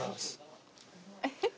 えっ？